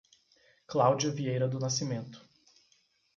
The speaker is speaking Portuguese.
Cláudia Vieira do Nascimento